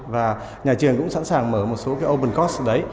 và nhà trường cũng sẵn sàng mở một số cái open course ở đấy